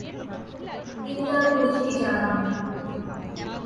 তিনি তার পরিচিতি জানান দেন।